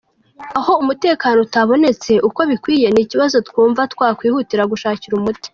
Aho umutekano utabonetse uko bikwiye ni ikibazo twumva twakwihutira gushakira umuti.